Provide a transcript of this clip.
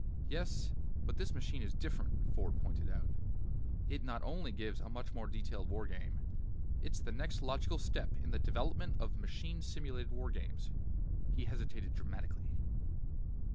"Yes, but this machine is different," Ford pointed out. "It not only gives a much more detailed war game. It's the next logical step in the development of machine simulated war games." He hesitated dramatically.